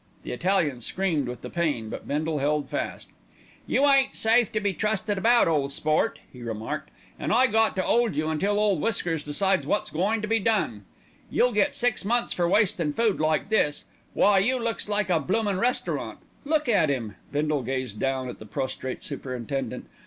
The Italian screamed with the pain; but Bindle held fast. "You ain't safe to be trusted about, ole sport," he remarked, "an' I got to 'old you, until Ole Whiskers decides wot's goin' to be done. You'll get six months for wastin' food like this. Why, you looks like a bloomin' restaurant. Look at 'im!" Bindle gazed down at the prostrate superintendent.